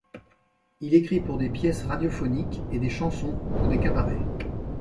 Il écrit pour des pièces radiophoniques et des chansons pour des cabarets.